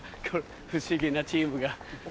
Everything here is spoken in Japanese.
不思議なチームが。